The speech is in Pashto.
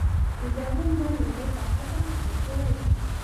د زرغون لمر لومړي پاچا څخه پیل شوی دی.